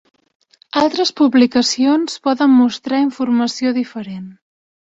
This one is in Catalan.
Altres publicacions poden mostrar informació diferent.